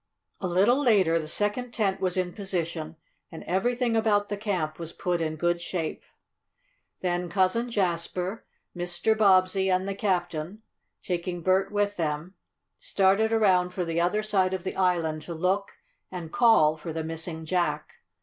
A little later the second tent was in position, and everything about the camp was put in good shape. Then Cousin Jasper, Mr. Bobbsey and the captain, taking Bert with them, started around for the other side of the island to look and call for the missing Jack.